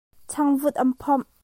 Changvut an phomh.